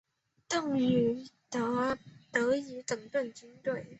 邓禹得以整顿军队。